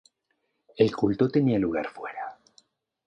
El culto tenía lugar fuera.